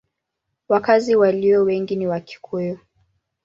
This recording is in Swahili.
Wakazi walio wengi ni Wakikuyu.